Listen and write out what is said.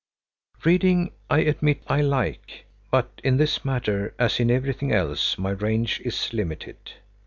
Reading I admit I like, but in this matter, as in everything else, my range is limited.